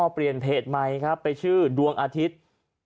เปลี่ยนเพจใหม่ครับไปชื่อดวงอาทิตย์